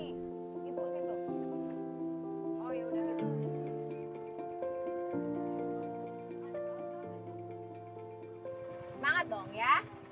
banget dong ya